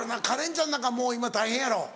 カレンちゃんなんかもう今大変やろ。